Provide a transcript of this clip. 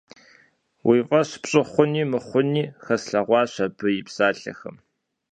Уи фӀэщ пщӀы хъуни мыхъуни хэслъэгъуащ абы и псалъэхэм.